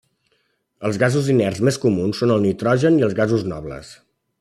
Els gasos inerts més comuns són el nitrogen i els gasos nobles.